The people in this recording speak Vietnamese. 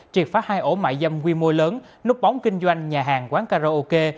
triệt phá hai ổ mại dâm quy mô lớn núp bóng kinh doanh nhà hàng quán karaoke